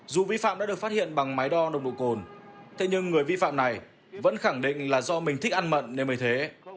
dù vi phạm đã được phát hiện bằng máy đo nồng độ cồn thế nhưng người vi phạm này vẫn khẳng định là do mình thích ăn mận nên mới thế